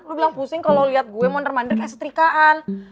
lu bilang pusing kalau liat gue mondar mandir kaya setrikaan